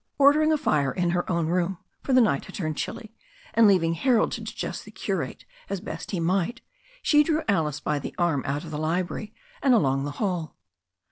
Ordering a fire in her own room — for the night had turned chilly — and leaving Harold to digest the curate as best he might, she drew Alice by the arm out of the library and along the hall.